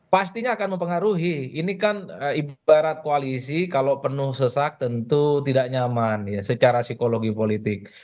pastinya akan mempengaruhi ini kan ibarat koalisi kalau penuh sesak tentu tidak nyaman secara psikologi politik